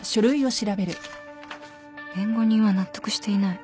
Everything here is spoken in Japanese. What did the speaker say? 弁護人は納得していない